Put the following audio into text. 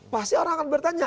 pasti orang akan bertanya